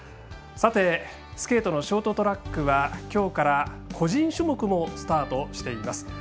さて、スケートのショートトラックはきょうから個人種目もスタートしています。